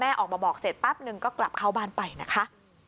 ออกมาบอกเสร็จแป๊บนึงก็กลับเข้าบ้านไปนะคะ